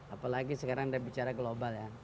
apalagi sekarang udah bicara global ya